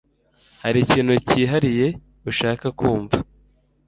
Hari ikintu cyihariye ushaka kumva?